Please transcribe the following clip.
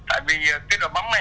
tại vì cái đội bóng này